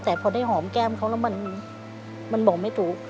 แต่พอได้หอมแก้มเขาแล้วมันบอกไม่ถูก